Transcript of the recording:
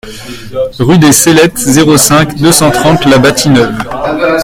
Rue des Cellettes, zéro cinq, deux cent trente La Bâtie-Neuve